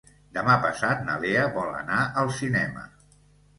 Demà passat na Lea vol anar al cinema.